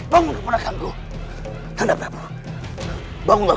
jangan lupa like share dan subscribe ya